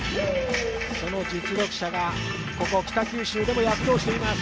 その実力者がここ、北九州でも躍動しています。